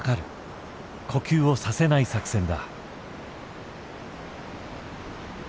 呼吸をさせない作戦だ。